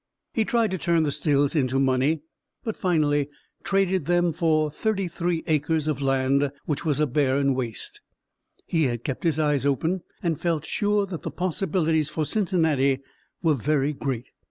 He tried to turn the stills into money but finally traded them for thirty three acres of land, which was a barren waste. He had kept his eyes open and felt sure that the possibilities for Cincinnati were very great.